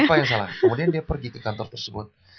apa yang salah kemudian dia pergi ke kantor tersebut